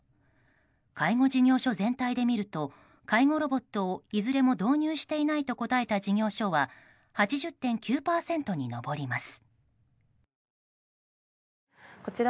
介護事業所全体で見ると介護ロボットをいずれも導入していないと答えた事業所は８０．９％に上ります。